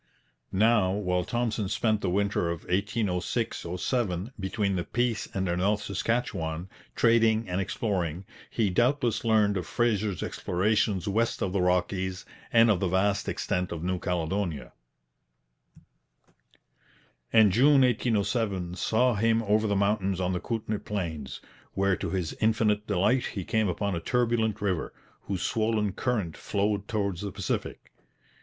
Now, while Thompson spent the winter of 1806 7 between the Peace and the North Saskatchewan, trading and exploring, he doubtless learned of Fraser's explorations west of the Rockies and of the vast extent of New Caledonia; and June 1807 saw him over the mountains on the Kootenay plains, where to his infinite delight he came upon a turbulent river, whose swollen current flowed towards the Pacific.